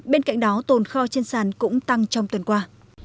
bên cạnh đó tồn kho trên sàn cũng tăng trong tuần qua